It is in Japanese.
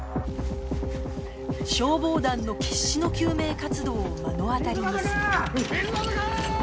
消防団の決死の救命活動を目の当たりにする